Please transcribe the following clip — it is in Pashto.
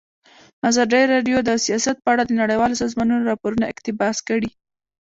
ازادي راډیو د سیاست په اړه د نړیوالو سازمانونو راپورونه اقتباس کړي.